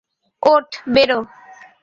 ওঠ, বেরো।